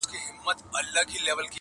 ظالمه زمانه ده جهاني له چا به ژاړو.!